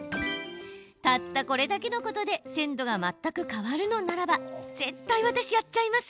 たったこれだけのことで鮮度が全く変わるのならば絶対、私やっちゃいます。